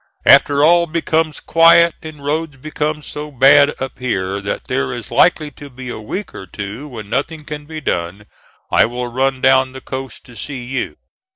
After all becomes quiet, and roads become so bad up here that there is likely to be a week or two when nothing can be done, I will run down the coast to see you.